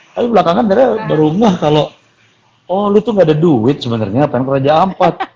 tapi belakangan dia baru ngah kalo oh lu tuh gak ada duit sebenernya pengen ke raja ampat